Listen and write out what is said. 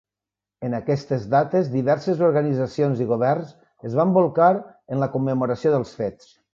En aquestes dates, diverses organitzacions i governs es van bolcar en la commemoració dels fets.